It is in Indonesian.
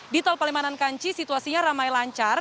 di tol palimanan kanci situasinya ramai lancar